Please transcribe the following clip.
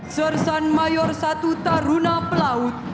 sersan mayor satu taruna pelaut